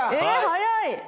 早い！